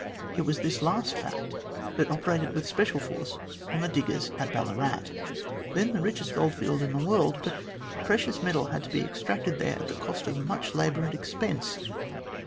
It was this last fact that operated with special force on the diggers at Ballarat, then the richest goldfield in the world, but the precious metal had to be extracted there at the cost of much labour and expense.